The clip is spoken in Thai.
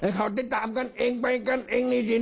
ให้เขาติดตามกันเองไปกันเองนี่จริง